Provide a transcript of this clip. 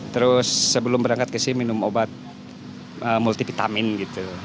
terus sebelum berangkat ke sini minum obat multivitamin gitu